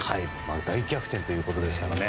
大逆転ということですけどね。